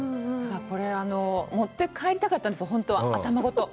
これ、持って帰りたかったんですよ、本当は頭ごと。